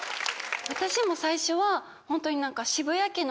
私も最初はホントに。